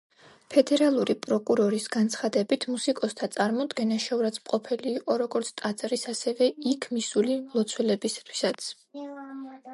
ფედერალური პროკურორის განცხადებით, მუსიკოსთა წარმოდგენა შეურაცხმყოფელი იყო როგორც ტაძრის, ასევე იქ მისული მლოცველებისთვისაც.